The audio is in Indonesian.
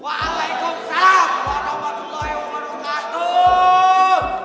waalaikumsalam warahmatullahi wabarakatuh